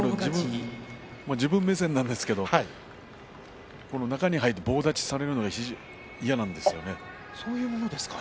自分目線なんですけど中に入って棒立ちされるのはそういうものですか。